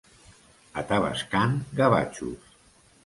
A Tavascan, gavatxos.